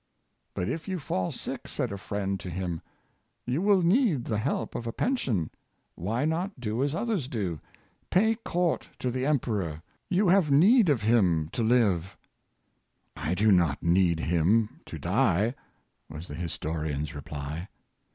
'' But if you fall sick," said a friend to him, '' you will need the help of a pension. Why not do as others do.^ Pay court to the emperor — you have Outr ant's Self denial, 481 need of him to live.'" "I do not need him to die," was the historian's reply.